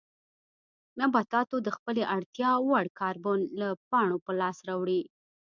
نباتاتو د خپلې اړتیا وړ کاربن له پاڼو په لاس راوړي.